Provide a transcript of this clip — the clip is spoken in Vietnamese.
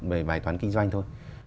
về bài toán kinh doanh thôi